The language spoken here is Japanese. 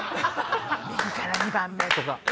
「右から２番目」とか。